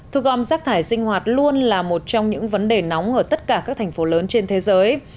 thu gom rác thải sinh hoạt luôn là một trong những vấn đề nóng ở tất cả các thành phố lớn trên thế giới